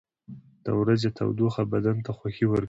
• د ورځې تودوخه بدن ته خوښي ورکوي.